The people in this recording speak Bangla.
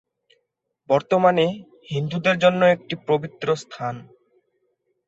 বর্তমানে হিন্দুদের জন্য একটি পবিত্র স্থান।